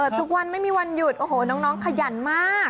ทุกวันไม่มีวันหยุดโอ้โหน้องขยันมาก